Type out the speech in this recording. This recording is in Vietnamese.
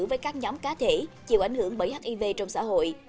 với các nhóm cá thể chịu ảnh hưởng bởi hiv trong xã hội